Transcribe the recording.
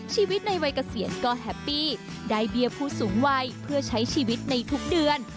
ชีวิตในวัยเกษียณก็แฮปปี้ได้เบี้ยผู้สูงวัยเพื่อใช้ชีวิตในทุกเดือน